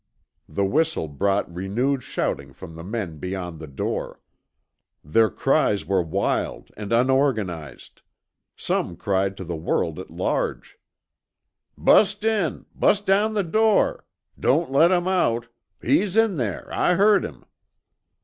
The whistle brought renewed shouting from the men beyond the door. Their cries were wild and unorganized. Some cried to the world at large, "Bust in bust down the door don't let 'em out he's in thar, I heard him."